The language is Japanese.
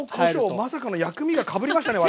まさかの薬味がかぶりましたね